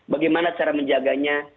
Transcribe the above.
bagaimana cara menjaganya